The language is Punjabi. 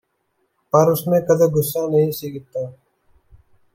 ਪਰ ਉਸਨੇ ਕਦੇ ਗੁੱਸਾ ਨਹੀਂ ਸੀ ਕੀਤਾ